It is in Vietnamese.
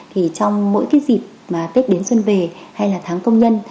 trong mỗi dịp tết đến xuân về hay là tháng công nhân